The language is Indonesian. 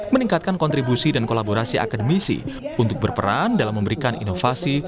meningkatkan kontribusi dan kolaborasi akademisi untuk berperan dalam memberikan inovasi